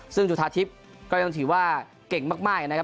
ซึ่งจุธาทิพย์ก็ยังถือว่าเก่งมากนะครับ